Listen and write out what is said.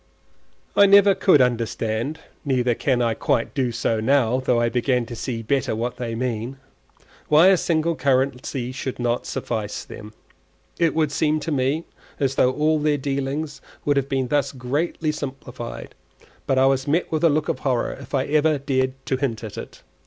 I never could understand (neither can I quite do so now, though I begin to see better what they mean) why a single currency should not suffice them; it would seem to me as though all their dealings would have been thus greatly simplified; but I was met with a look of horror if ever I dared to hint at it.